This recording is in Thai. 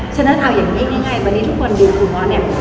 ฉะนั้นเอาอย่างนี้ง่ายวันนี้ทุกคนดูคุณหมอเนี่ย